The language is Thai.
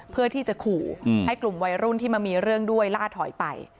เพื่อที่จะขู่ให้กลุ่มวัยรุ่นที่มามีเรื่องด้วยล่าถอยไป